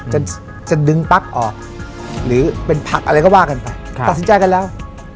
จะจะดึงปั๊กออกหรือเป็นผักอะไรก็ว่ากันไปตัดสินใจกันแล้ว